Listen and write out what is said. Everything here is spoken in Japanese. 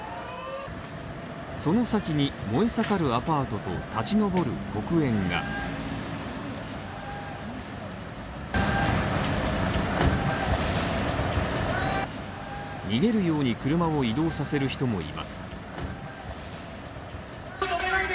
その先に燃えさかるアパートと立ち上る黒煙が逃げるように車を移動させる人もいます。